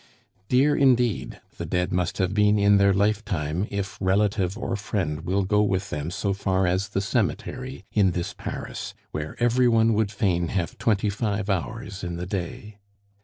Dear, indeed, the dead must have been in their lifetime if relative or friend will go with them so far as the cemetery in this Paris, where every one would fain have twenty five hours in the day.